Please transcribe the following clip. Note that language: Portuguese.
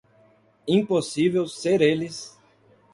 Impossível ser eles